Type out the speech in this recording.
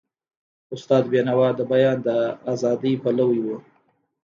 استاد بینوا د بیان د ازادی پلوی و.